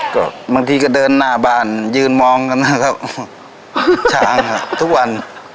ก็บางทีก็เดินหน้าบานยืนมองกันนะครับทุกวัน